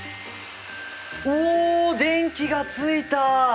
お電気がついた！